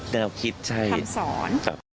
แนวคิดคำสอน